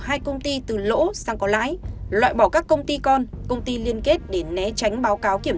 hai công ty từ lỗ sang có lãi loại bỏ các công ty con công ty liên kết để né tránh báo cáo kiểm